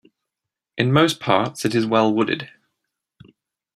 In most parts it is well-wooded.